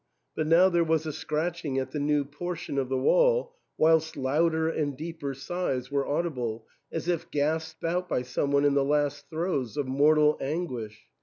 But now there was a scratching at the new portion of the wall, whilst louder and deeper sighs were audible, as if gasped out by some one in the last throes of mortal anguish.